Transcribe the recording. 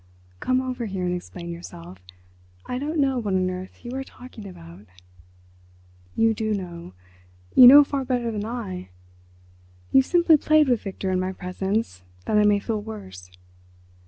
"Come over here and explain yourself. I don't know what on earth you are talking about." "You do know—you know far better than I. You've simply played with Victor in my presence that I may feel worse.